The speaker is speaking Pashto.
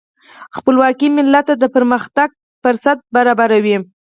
خپلواکي ملت ته د پرمختګ فرصت برابروي.